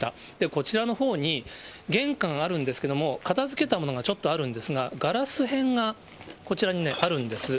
こちらのほうに玄関あるんですけれども、片づけたものがちょっとあるんですが、ガラス片がこちらにあるんです。